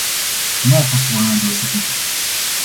Nu au fost probleme deosebite.